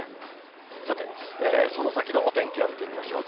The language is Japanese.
さて、その先のお天気を見てみましょう。